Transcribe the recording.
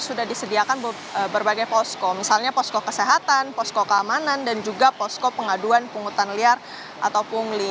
sudah disediakan berbagai posko misalnya posko kesehatan posko keamanan dan juga posko pengaduan pungutan liar atau pungli